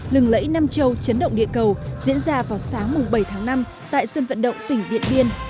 lẫy nam châu chấn động địa cầu diễn ra vào sáng bảy tháng năm tại sân vận động tỉnh điện biên